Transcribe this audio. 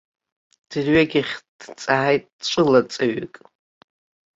Дырҩегьых дҵааит ҵәылаҵаҩык.